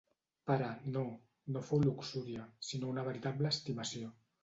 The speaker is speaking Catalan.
Pare, no: no fou luxúria, sinó una veritable estimació.